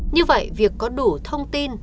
như vậy việc có đủ thông tin